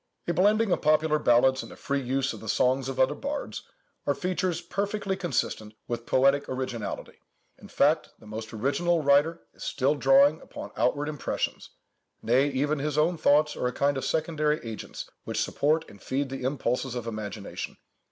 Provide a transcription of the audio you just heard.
A blending of popular legends, and a free use of the songs of other bards, are features perfectly consistent with poetical originality. In fact, the most original writer is still drawing upon outward impressions—nay, even his own thoughts are a kind of secondary agents which support and feed the impulses of imagination.